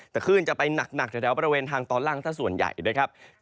แต่คลื่นจะไปหนักแถวบริเวณทางตอนล่างสักส่วนใหญ่นะครับ